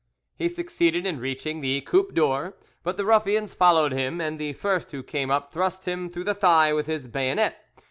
He succeeded in reaching the "Coupe d'Or," but the ruffians followed him, and the first who came up thrust him through the thigh with his bayonet.